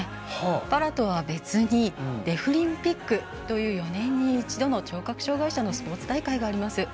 パラとは別にデフリンピックという４年に一度の聴覚障がい者のスポーツ大会があります。